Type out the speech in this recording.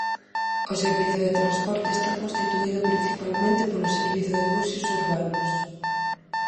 O servizo de transporte está constituído principalmente polo servizo de buses urbanos.